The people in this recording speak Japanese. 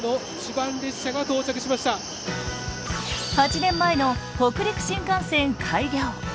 ８年前の北陸新幹線開業。